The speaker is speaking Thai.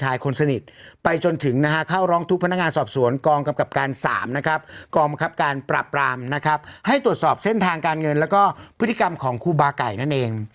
ให้ตรวจสอบเส้นทางการเงินแล้วก็พฤติกรรมของครูบาไก่นั่นเอง